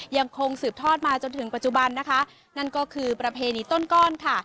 ยังคงสืบทอดมาจนถึงปัจจุบันนะคะนั่นก็คือประเพณีต้นก้อนค่ะ